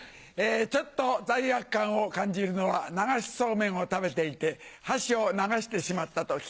ちょっと罪悪感を感じるのは流しそうめんを食べていて箸を流してしまった時。